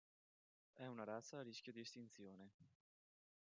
È una razza a rischio di estinzione.